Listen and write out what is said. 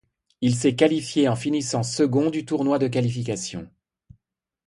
Il s'est qualifié en finissant second du tournoi de qualification.